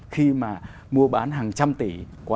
khi mà mua bán hàng trăm tỷ